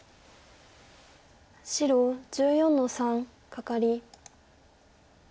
白１４の三カカリ。